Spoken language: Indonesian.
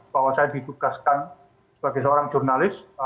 bahwa saya ditugaskan sebagai seorang jurnalis